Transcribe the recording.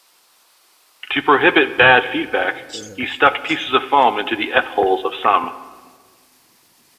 To prohibit "bad feedback", he stuffed pieces of foam into the F-holes of some.